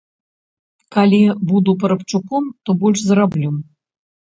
Калі буду парабчуком, то больш зараблю.